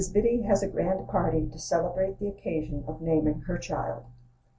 BIDDY HAS A GRAND PARTY, TO CELEBRATE THE OCCASION OF NAMING HER CHILD.